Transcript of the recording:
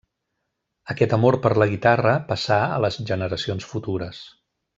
Aquest amor per la guitarra passà a les generacions futures.